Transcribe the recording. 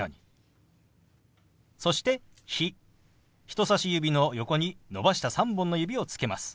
人さし指の横に伸ばした３本の指をつけます。